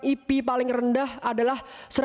ip paling rendah adalah